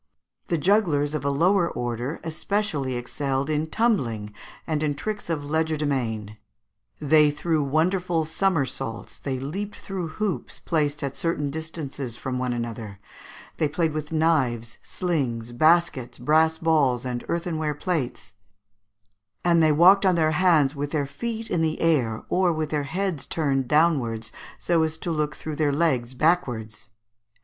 The jugglers of a lower order especially excelled in tumbling and in tricks of legerdemain (Figs. 169 and 170). They threw wonderful somersaults, they leaped through hoops placed at certain distances from one another, they played with knives, slings, baskets, brass balls, and earthenware plates, and they walked on their hands with their feet in the air or with their heads turned downwards so as to look through their legs backwards.